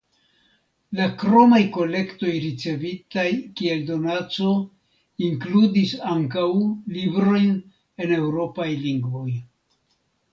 La kromaj kolektoj ricevitaj kiel donaco inkludis ankaŭ librojn en eŭropaj lingvoj.